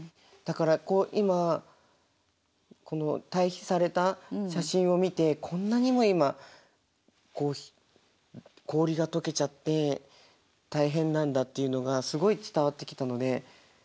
だからこう今対比された写真を見てこんなにも今氷が解けちゃって大変なんだっていうのがすごい伝わってきたので。